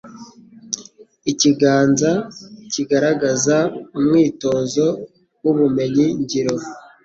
Ikiganza kigaragaza umwitozo w'ubumenyi ngiro